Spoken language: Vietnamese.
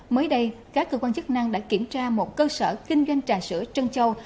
mới đây các cơ quan chức năng đã kiểm tra một cơ sở kinh doanh trà sữa trân châu